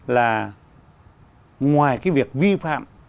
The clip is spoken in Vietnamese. là ngoài cái việc vi phạm